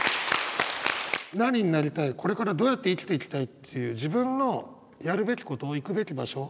何になりたいこれからどうやって生きていきたいっていう自分のやるべきこと行くべき場所